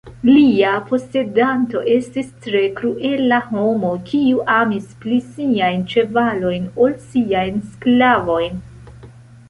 Lia posedanto estis tre kruela homo, kiu amis pli siajn ĉevalojn ol siajn sklavojn.